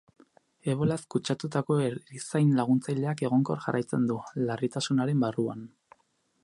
Ebolaz kutsatutako erizain laguntzaileak egonkor jarraitzen du, larritasunaren barruan.